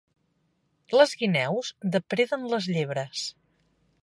Les guineus depreden les llebres.